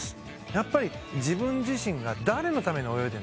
やっぱり「自分自身が誰のために泳いでるんですか？」